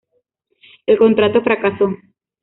El contrato fracasó.